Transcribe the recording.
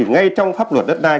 ngay trong pháp luật đất đai